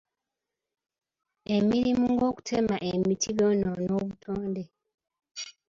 Emirimu ng'okutema emiti by'onoona obutonde.